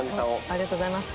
ありがとうございます。